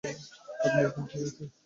আপনি এখন ঠিক আছেন।